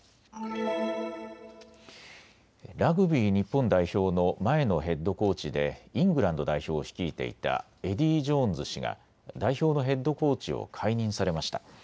ラグビー日本代表の前のヘッドコーチでイングランド代表を率いていたエディー・ジョーンズ氏が代表のヘッドコーチを解任されました。